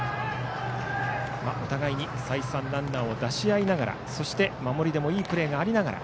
お互い、再三ランナーを出し合ってそして守りでもいいプレーがありながら。